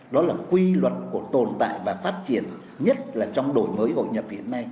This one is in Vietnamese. đó là quy luật của tồn tại và phát triển nhất là trong đổi mới hội nhập hiện nay